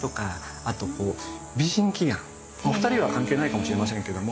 現在はお二人は関係ないかもしれませんけども。